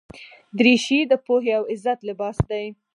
دریشي د پوهې او عزت لباس دی.